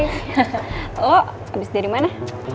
lo abis dari mana